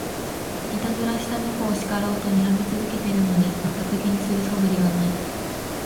いたずらした猫を叱ろうとにらみ続けてるのに、まったく気にする素振りはない